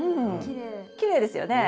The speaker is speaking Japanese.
きれいですよね。